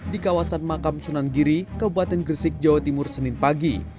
di kawasan makam sunan giri kabupaten gresik jawa timur senin pagi